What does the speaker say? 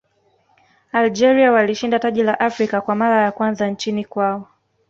algeria walishinda taji la afrika kwa mara ya kwanza nchini kwao